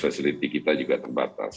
fasiliti kita juga terbatas